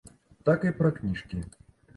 Так і пра кніжкі.